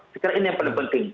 sekarang ini yang paling penting